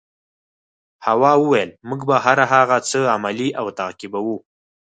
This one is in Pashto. هوا وویل موږ به هر هغه څه عملي او تعقیبوو.